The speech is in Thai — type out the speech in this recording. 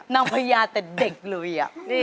น้ำพญาแต่เด็กเลย